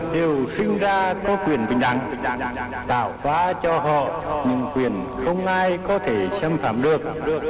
điều sinh ra có quyền bình đẳng bảo phá cho họ những quyền không ai có thể xâm phạm được